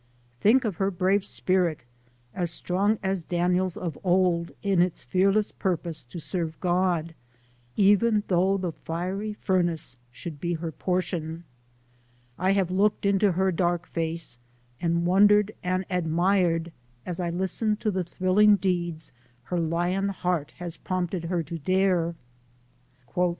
Think of her brave spirit, as strong as Daniel's of old, in its fearless purpose to serve God, even though the fiery furnace should be her portion. I have looked into her dark face, and wondered and admired as I listened to the thrilling deeds her lion heart had prompted her to dare.